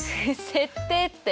設定って。